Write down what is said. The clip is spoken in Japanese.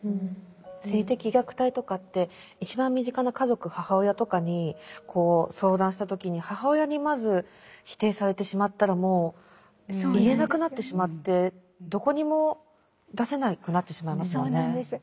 性的虐待とかって一番身近な家族母親とかに相談した時に母親にまず否定されてしまったらもう言えなくなってしまってどこにも出せなくなってしまいますよね。